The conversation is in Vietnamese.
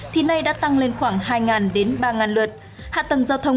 thì nay đã tăng lên khoảng hai ba lượt